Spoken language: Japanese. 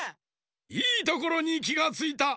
いいところにきがついた！